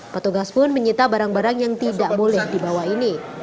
petugas pun menyita barang barang yang tidak boleh dibawa ini